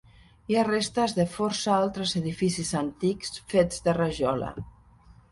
Hi ha restes de força altres edificis antics fets de rajola.